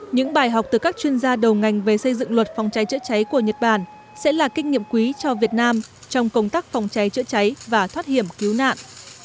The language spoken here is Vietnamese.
những bài học từ các chuyên gia đầu ngành về xây dựng luật phòng cháy chữa cháy của nhật bản sẽ là kinh nghiệm quý cho việt nam trong công tác phòng cháy chữa cháy và thoát hiểm cứu nạn